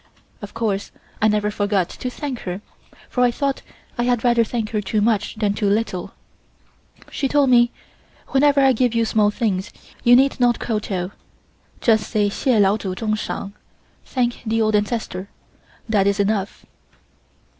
Of course I never forgot to thank her, for I thought I had rather thank her too much than too little. She told me: "Whenever I give you small things you need not kowtow. Just say: 'Hsieh Lao Tsu Tsung Shang' (Thank the old ancestor), that is enough."